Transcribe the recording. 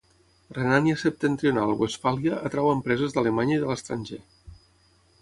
Renània septentrional-Westfàlia atrau empreses d'Alemanya i de l'estranger.